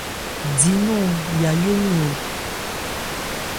Di nɔn Yayó wɛn o.